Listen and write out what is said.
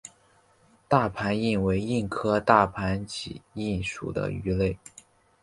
大盘䲟为䲟科大盘䲟属的鱼类。